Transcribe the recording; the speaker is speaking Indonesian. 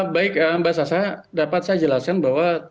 baik mbak sasa dapat saya jelaskan bahwa